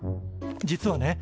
実はね